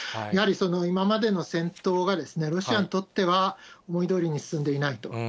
やはり今までの戦闘が、ロシアにとっては思いどおりに進んでいないと。